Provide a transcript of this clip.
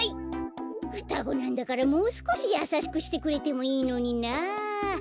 ふたごなんだからもうすこしやさしくしてくれてもいいのにな。